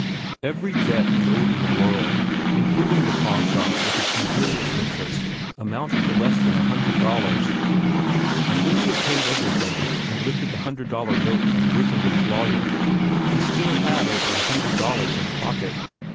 Every debt he owed in the world, including the pawnshop, with its usurious interest, amounted to less than a hundred dollars. And when he had paid everything, and lifted the hundred dollar note with Brissenden's lawyer, he still had over a hundred dollars in pocket.